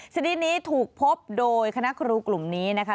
ชนิดนี้ถูกพบโดยคณะครูกลุ่มนี้นะคะ